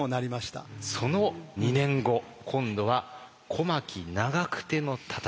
その２年後今度は小牧・長久手の戦い。